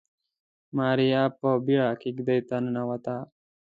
ماريا په بيړه کېږدۍ ته ننوته.